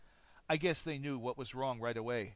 "I guess they knew what was wrong right away.